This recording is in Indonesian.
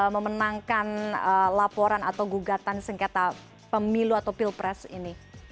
memenangkan laporan atau gugatan sengketa pemilu atau pilpres ini